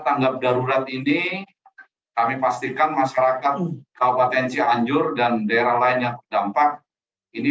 tanggap darurat ini kami pastikan masyarakat kawpatensi anjur dan daerah lainnya dampak ini